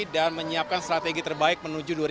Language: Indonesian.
dan menyiapkan strategi terbaik menuju dua ribu dua puluh empat